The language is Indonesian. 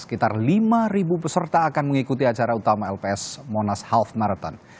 sekitar lima peserta akan mengikuti acara utama lps monas half marathon